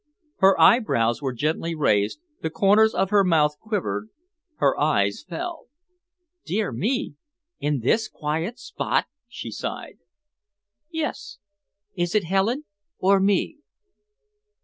Her eyebrows were gently raised, the corners of her mouth quivered, her eyes fell. "Dear me! In this quiet spot?" she sighed. "Yes!" "Is it Helen or me?"